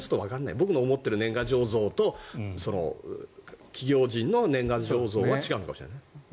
僕の思っている年賀状像と企業人の年賀状像は違うのかもしれないね。